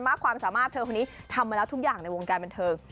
มากความสามารถเธอนี้ทำอะไรทุกอย่างในวงการบริเวณเทิง